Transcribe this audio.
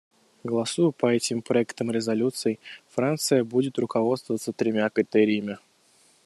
Голосуя по этим проектам резолюций, Франция будет руководствоваться тремя критериями.